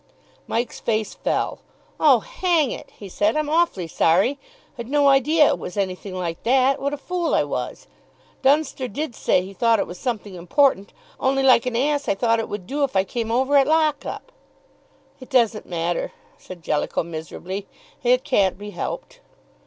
Mike's face fell. "Oh, hang it!" he said, "I'm awfully sorry. I'd no idea it was anything like that what a fool I was! Dunster did say he thought it was something important, only like an ass I thought it would do if I came over at lock up." "It doesn't matter," said Jellicoe miserably; "it can't be helped."